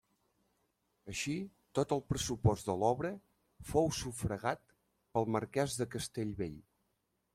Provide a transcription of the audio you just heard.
Així tot el pressupost de l'obra fou sufragat pel marqués de Castellbell.